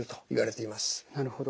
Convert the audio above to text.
なるほど。